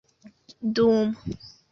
dum